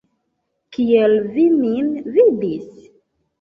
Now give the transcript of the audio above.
Kiel vi min vidis?